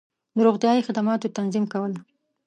د روغتیایی خدماتو تنظیم کول